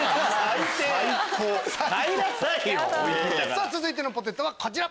さぁ続いてのポテトはこちら。